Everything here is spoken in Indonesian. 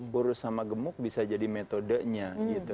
burus sama gemuk bisa jadi metodenya gitu